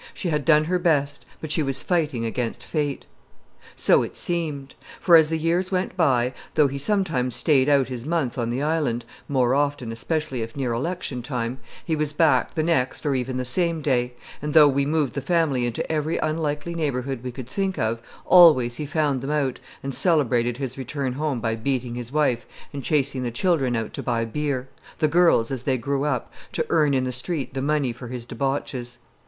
She had done her best, but she was fighting against fate. So it seemed; for as the years went by, though he sometimes stayed out his month on the Island more often, especially if near election time, he was back the next or even the same day and though we moved the family into every unlikely neighborhood we could think of, always he found them out and celebrated his return home by beating his wife and chasing the children out to buy beer, the girls, as they grew up, to earn in the street the money for his debauches.